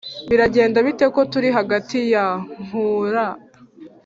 biragenda bite ko turi hagati nkur